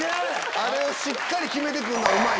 あれをしっかり決めて来るのはうまい。